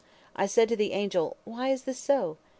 I said to the angel, 'Why is this so?'